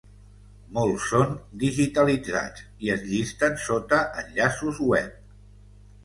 Molts són digitalitzats i es llisten sota enllaços web.